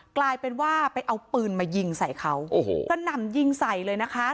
กลายเป็นว่าไปเอาปืนมายิงใส่เขาโอ้โหกระหน่ำยิงใส่เลยนะคะ